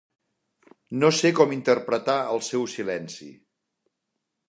No sé com interpretar el seu silenci.